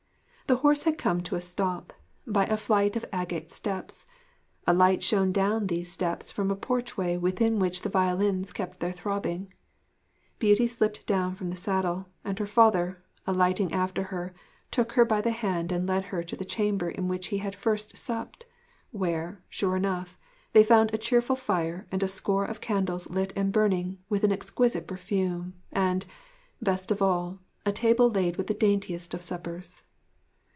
The horse had come to a stop, by a flight of agate steps; a light shone down these steps from a porchway within which the violins kept their throbbing. Beauty slipped down from the saddle, and her father, alighting after her, took her by the hand and led her to the chamber in which he had first supped; where, sure enough, they found a cheerful fire and a score of candles lit and burning with an exquisite perfume, and best of all a table laid with the daintiest of suppers.